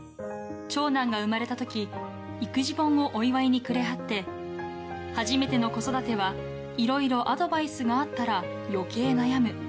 長男が産まれたとき、育児本をお祝いにくれはって、初めての子育てはいろいろアドバイスがあったら、よけい悩む。